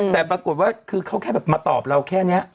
แต่ปรากฏว่าคือเขาแค่แบบมาตอบเราแค่นี้